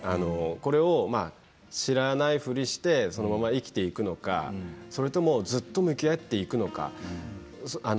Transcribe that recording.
これを知らないふりしてそのまま生きていくのかそれともずっと向き合っていくのか。